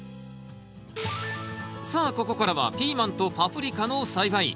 さあここからはピーマンとパプリカの栽培。